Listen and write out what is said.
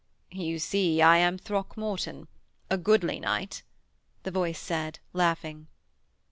'You see I am Throckmorton: a goodly knight,' the voice said, laughing.